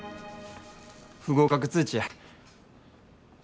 不合格通知や。